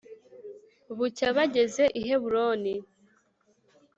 bucya bageze i Heburoni.